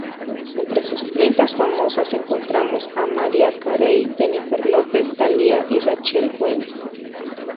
Entre sus clientas famosas encontramos a Mariah Carey, Jennifer Lopez, Thalía y Rachel Weisz.